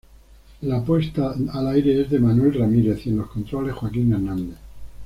La puesta al aire es de Manuel Ramírez y en los controles Joaquín Hernández.